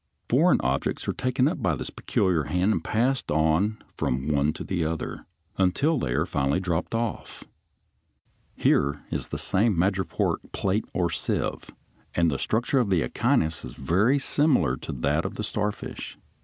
Foreign objects are taken up by this peculiar hand and passed on from one to the other until they are finally dropped off. Here is the same madreporic plate or sieve, and the structure of the Echinus (Fig. 56) is very similar to that of the starfish.